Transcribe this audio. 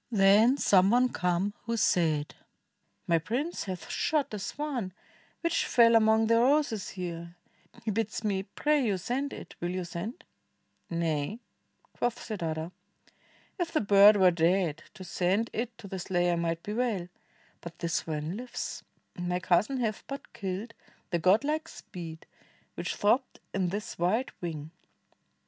Then some one came who said, "My prince hath shot A swan, which fell among the roses here, He bids me pray you send it. Will you send?" "Nay," quoth Siddartha, "if the bird were dead To send it to the slayer might be well. But the swan Uves; my cousin hath but killed The godlike speed which throbbed in this white wing."